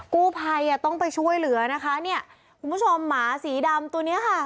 กู้ภัยอ่ะต้องไปช่วยเหลือนะคะเนี่ยคุณผู้ชมหมาสีดำตัวเนี้ยค่ะ